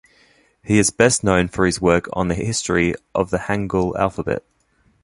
He is best known for his work on the history of the hangul alphabet.